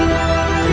aku akan membunuhnya